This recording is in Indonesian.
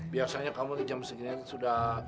biasanya kamu jam segini sudah